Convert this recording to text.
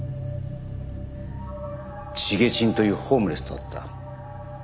シゲチンというホームレスと会った。